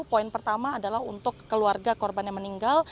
poin pertama adalah untuk keluarga korban yang meninggal